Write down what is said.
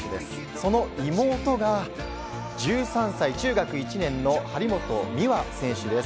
その妹が、１３歳、中学１年の張本美和選手です。